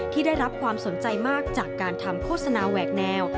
ได้รับความสนใจมากจากการทำโฆษณาแหวกแนว